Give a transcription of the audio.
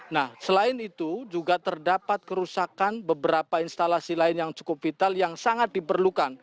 nah selain itu juga terdapat kerusakan beberapa instalasi lain yang cukup vital yang sangat diperlukan